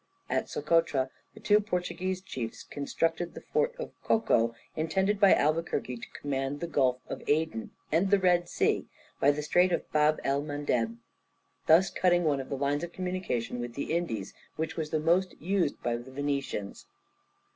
At Socotra, the two Portuguese chiefs constructed the fort of Çoco, intended by Albuquerque to command the Gulf of Aden and the Red Sea, by the Strait of Bab el Mandeb, thus cutting one of the lines of communication with the Indies, which was the most used by the Venetians.